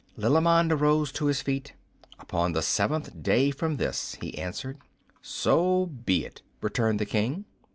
Lilimond arose to his feet. "Upon the seventh day from this," he answered. "So be it," returned the King.